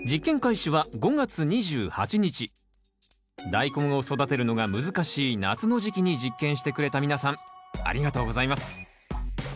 ダイコンを育てるのが難しい夏の時期に実験してくれた皆さんありがとうございます。